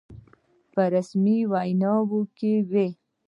په رسمي ویناوو کې وي.